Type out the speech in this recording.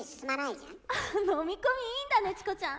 飲み込みいいんだねチコちゃん。